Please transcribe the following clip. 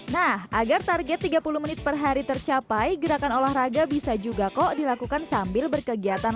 nah agar target tiga puluh menit per hari tercapai gerakan olahraga bisa juga kok dilakukan sambil berkegiatan